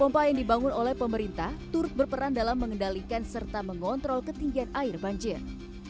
pompa yang dibangun oleh pemerintah turut berperan dalam mengendalikan serta mengontrol ketinggian air banjir